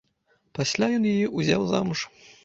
Пасля ён яе ўзяў замуж.